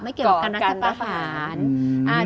ไม่เกี่ยวกับการรักษาประหาร